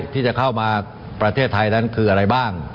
ที่จะเข้ามาประเทศไทยนั้นคืออะไรบ้าง